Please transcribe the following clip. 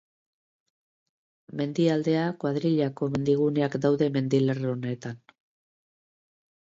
Mendialdea kuadrillako mendiguneak daude mendilerro honetan.